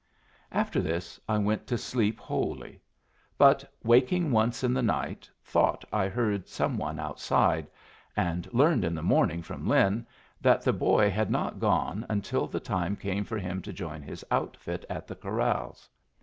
After this I went to sleep wholly; but, waking once in the night, thought I heard some one outside, and learned in the morning from Lin that the boy had not gone until the time came for him to join his outfit at the corrals.